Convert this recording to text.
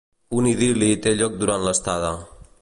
Un idil·li té lloc durant l'estada.